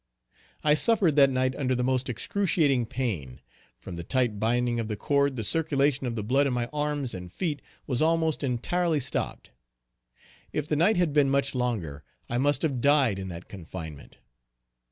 I suffered that night under the most excruciating pain. From the tight binding of the cord the circulation of the blood in my arms and feet was almost entirely stopped. If the night had been much longer I must have died in that confinement.